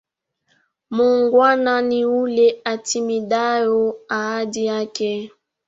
Muungwana niule atimidhao ahadi ake.